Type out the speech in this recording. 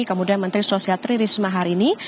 kemudian menteri sosial tri risma harini